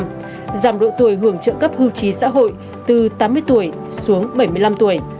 giảm độ tuổi hưởng trợ cấp hưu trí xã hội từ tám mươi tuổi xuống bảy mươi năm tuổi